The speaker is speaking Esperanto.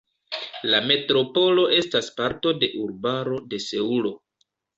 La metropolo estas parto de urbaro de Seulo.